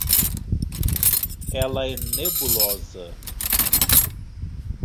Ela é nebulosa.